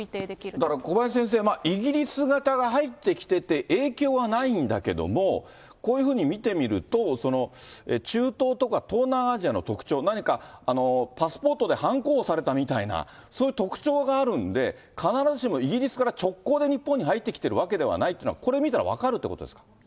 だから小林先生、イギリス型が入ってきてて、影響はないんだけども、こういうふうに見てみると、中東とか、東南アジアの特徴、何か、パスポートではんこ押されたみたいな、そういう特徴があるんで、必ずしもイギリスから直行で日本に入ってきてるわけではないっていうのは、これ見たら分かるってことですか？